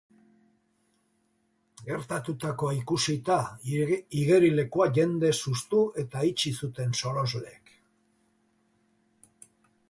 Gertatutakoa ikusita, igerilekua jendez hustu eta itxi zuten sorosleek.